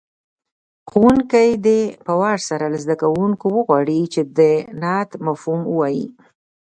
ښوونکی دې په وار سره له زده کوونکو وغواړي چې د نعت مفهوم ووایي.